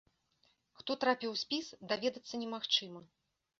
Хто трапіў у спіс, даведацца немагчыма.